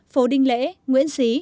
phố đinh lễ nguyễn sĩ